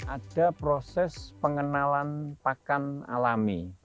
ada proses pengenalan pakan alami